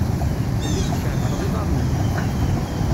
Tellid tkerrfed iḍarren-nnek.